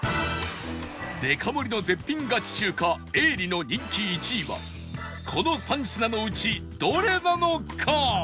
デカ盛りの絶品ガチ中華永利の人気１位はこの３品のうちどれなのか？